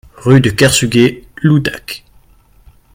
Rue de Kersuguet, Loudéac